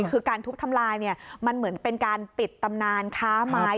คือการทุบทำลายมันเหมือนเป็นการปิดตำนานค้าไม้